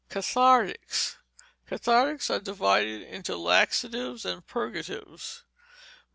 Cathartics. Cathartics are divided into laxatives and purgatives.